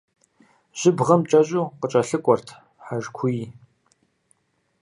Жьыбгъэм кӏэщӏу къыкӏэлъыкӏуэрт хьэжкуий.